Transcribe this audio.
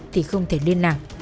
thì không thể liên lạc